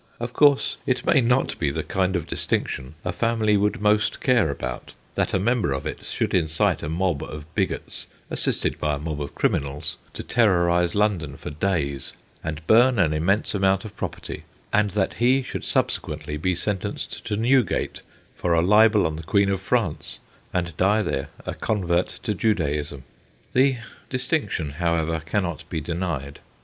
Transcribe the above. Of course, it may not be the kind of distinction a family would mostr care about, that a member of it should incite a mob of bigots, assisted by a D1VEKS DISTINCTIONS 243 mob of criminals, to terrorise London for days, and burn an immense amount of pro perty, and that lie should subsequently be sentenced to Newgate for a libel on the Queen of France, and die there, a convert to Judaism : the distinction, however, cannot be denied.